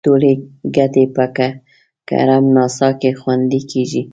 ټولې ګټې په کرم ناسا کې خوندي کیږي.